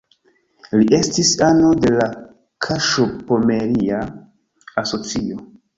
Li estis ano de la Kaŝub-Pomeria Asocio.